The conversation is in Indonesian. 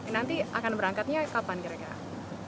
nanti akan berangkatnya kapan kira kira